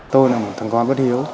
tôi là một thằng con bất hiếu